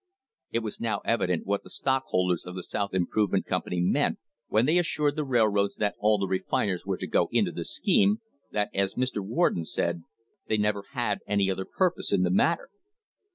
It was now evident what the stockholders of the South Improvement Company meant when they assured the railroads that all the refiners were to go into the scheme, that, as Mr. Warden said, they "never had any other purpose in thei matter!"